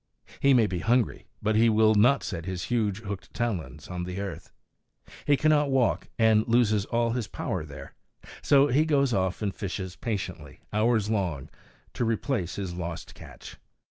He may be hungry, but he will not set his huge hooked talons on the earth. He cannot walk, and loses all his power there. So he goes off and fishes patiently, hours long, to replace his lost catch.